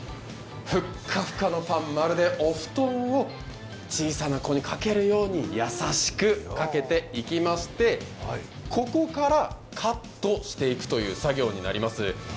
ふっかふかのパン、まるでお布団を小さな子に掛けるように優しくかけていきまして、ここからカットしていくという作業になります。